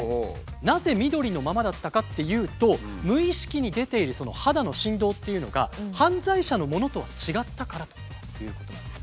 なぜ緑のままだったかっていうと無意識に出ている肌の振動というのが犯罪者のものとは違ったからということなんです。